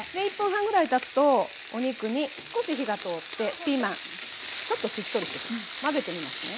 １分半ぐらいたつとお肉に少し火が通ってピーマンちょっとしっとりしてきます。